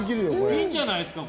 いいんじゃないですか？